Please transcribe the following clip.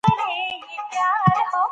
ده پښتو د علمي او ټولنيزو مسايلو ژبه کړه